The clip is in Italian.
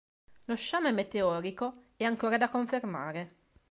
Lo sciame meteorico è ancora da confermare.